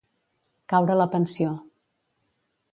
Caure la pensió.